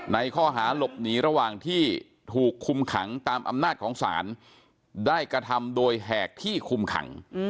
ในข้อหาหลบหนีระหว่างที่ถูกคุมขังตามอำนาจของศาลได้กระทำโดยแหกที่คุมขัง